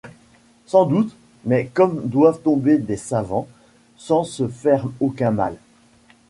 Sans doute ! mais comme doivent tomber des savants, sans se faire aucun mal.